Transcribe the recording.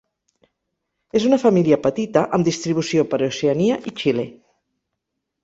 És una família petita amb distribució per Oceania i Xile.